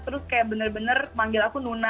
terus kayak bener bener manggil aku nuna